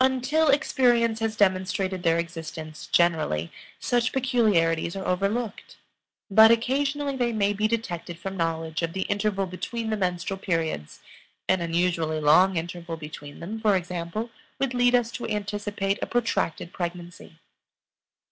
Until experience has demonstrated their existence, generally, such peculiarities are overlooked. But occasionally they may be detected from knowledge of the interval between the menstrual periods; an unusually long interval between them, for example, would lead us to anticipate a protracted pregnancy.